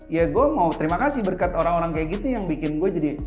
ya gue mau terima kasih berkat orang orang kayak gitu yang bikin gue jadi